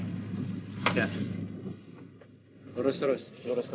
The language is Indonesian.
timan timan aja baru ke lo pria